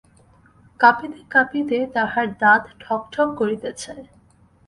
কাঁপিতে কাঁপিতে তাহার দাঁত ঠক ঠক করিতেছে।